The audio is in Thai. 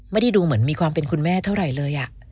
ไม่ได้ดูเหมือนมีความเป็นคุณแม่เท่าไหร่เลย